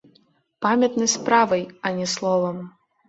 Памятны справай, а не словам.